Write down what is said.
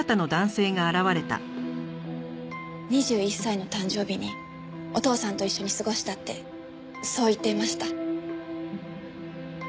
２１歳の誕生日にお父さんと一緒に過ごしたってそう言っていました。